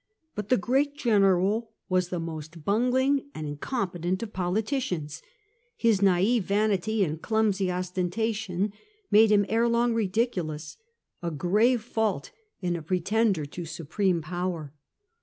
But the great general was the most bungling and incompetent of politicians. His naive vanity and clumsy ostentation made him ere long ridiculous — a grave fault in a pro G 98 FEOM THE GRACCHI TO SULLA tender to supreme power.